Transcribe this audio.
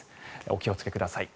お気をつけください。